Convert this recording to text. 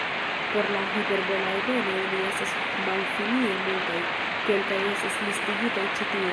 Por la hiperbola ebeno ili estas malfinie multaj, kelkaj estas listigitaj ĉi tie.